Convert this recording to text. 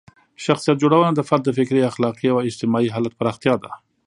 شخصیت جوړونه د فرد د فکري، اخلاقي او اجتماعي حالت پراختیا ده.